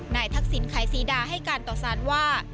ทักษิณไขศรีดาให้การต่อสารว่า